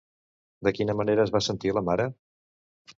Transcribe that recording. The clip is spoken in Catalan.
De quina manera es va sentir la mare?